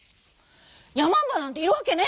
「やまんばなんているわけねえ。